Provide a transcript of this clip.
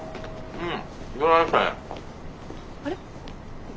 うん。